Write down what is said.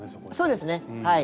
そうですねはい。